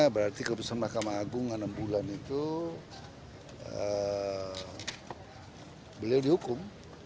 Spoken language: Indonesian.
berarti keputusan mahkamah agung enam bulan itu beliau dihukum